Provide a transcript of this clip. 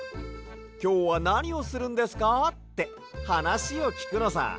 「きょうはなにをするんですか？」ってはなしをきくのさ。